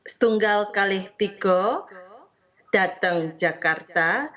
setunggal kali tiko dateng jakarta